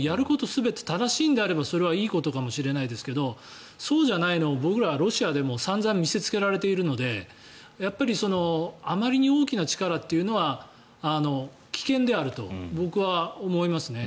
全て正しいのであればそれはいいことかもしれないですがそうじゃないのを僕ら、ロシアでもう散々見せつけられているのでやっぱりあまりに大きな力というのは危険であると僕は思いますね。